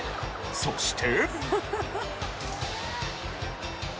そして。